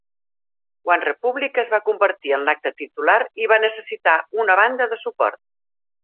OneRepublic es va convertir en l'acte titular i va necessitar una banda de suport.